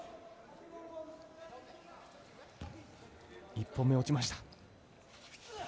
１本目、落ちました。